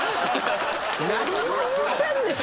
何を言うてんねん。